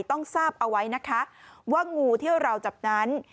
ต้องทราบเอาไว้นะคะว่างูที่เราจับนั้น